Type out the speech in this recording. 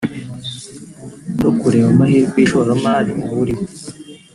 no kureba amahirwe y’ishoramari awurimo